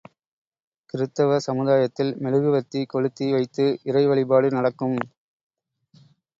கிறித்தவ சமுதாயத்தில், மெழுகுவர்த்தி கொளுத்தி வைத்து இறைவழிபாடு நடக்கும்.